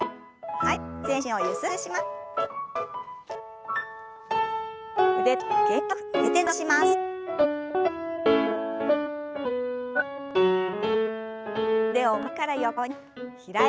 はい。